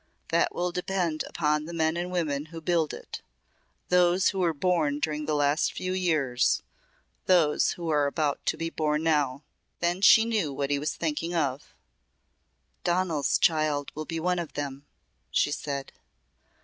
That will depend upon the men and women who build it. Those who were born during the last few years those who are about to be born now." Then she knew what he was thinking of. "Donal's child will be one of them," she said.